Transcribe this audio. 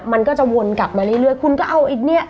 มันก็จะวนกลับมาเรื่อยคุณก็เอาไอ้เนี่ย